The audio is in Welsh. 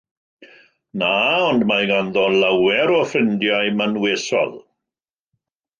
Na; ond mae ganddo lawer o ffrindiau mynwesol.